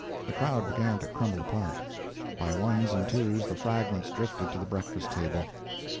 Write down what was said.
The crowd began to crumble apart. By ones and twos the fragments drifted to the breakfast table.